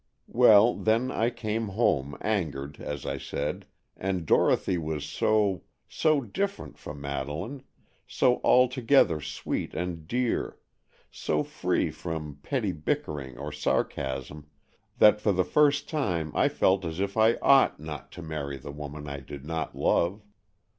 Well, then I came home, angered, as I said, and Dorothy was so—so different from Madeleine, so altogether sweet and dear, so free from petty bickering or sarcasm, that for the first time I felt as if I ought not to marry the woman I did not love.